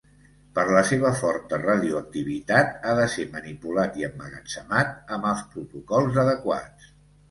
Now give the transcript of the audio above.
Per la seva forta radioactivitat, ha de ser manipulat i emmagatzemat amb els protocols adequats.